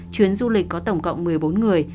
chuyến du lịch có tổng cộng một mươi bốn người